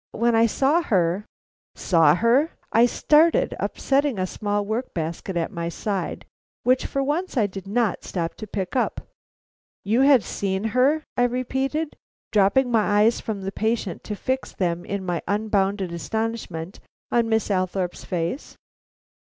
When I saw her " Saw her! I started, upsetting a small work basket at my side which for once I did not stop to pick up. "You have seen her!" I repeated, dropping my eyes from the patient to fix them in my unbounded astonishment on Miss Althorpe's face.